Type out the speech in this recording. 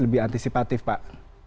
lebih antisipatif pak